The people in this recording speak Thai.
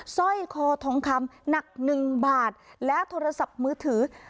สร้อยคอทองคำหนักหนึ่งบาทและโทรศัพท์มือถือ